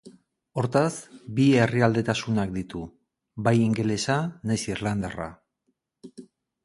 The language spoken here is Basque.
Hortaz, bi herrialdetasunak ditu, bai ingelesa nahiz irlandarra.